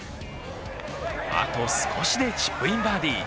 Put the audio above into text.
あと少しでチップインバーディー。